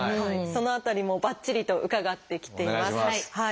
その辺りもばっちりと伺ってきています。